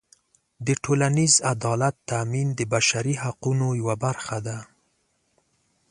د ټولنیز عدالت تأمین د بشري حقونو یوه برخه ده.